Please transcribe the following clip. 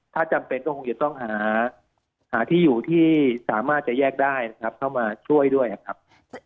ถ้าจำเป็นก็คงจะต้องหาที่อยู่ที่สามารถจะแยกได้นะครับเข้ามาช่วยด้วยนะครับ